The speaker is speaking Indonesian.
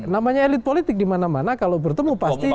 namanya elit politik dimana mana kalau bertemu pasti